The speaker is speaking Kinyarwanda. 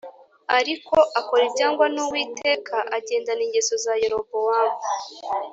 Ariko akora ibyangwa n’Uwiteka agendana ingeso za Yerobowamu